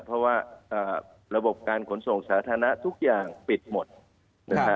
เพราะว่าระบบการขนส่งสาธารณะทุกอย่างปิดหมดนะฮะ